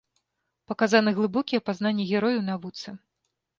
Паказаны глыбокія пазнанні героя ў навуцы.